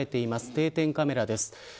定点カメラです。